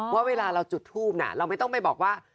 ว่าเวลาเราจุดทูปน่ะเราไม่ต้องไปบอกว่า